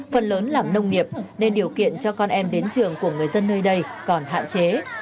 phần lớn làm nông nghiệp nên điều kiện cho con em đến trường của người dân nơi đây còn hạn chế